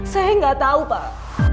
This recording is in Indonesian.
saya nggak tahu pak